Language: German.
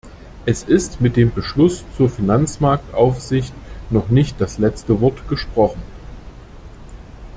Es ist mit dem Beschluss zur Finanzmarktaufsicht noch nicht das letzte Wort gesprochen.